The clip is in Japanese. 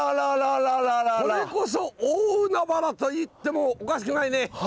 これこそ大海原といってもおかしくないね。